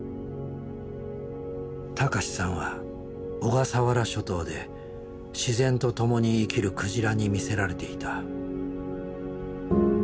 孝さんは小笠原諸島で自然と共に生きるクジラに魅せられていた。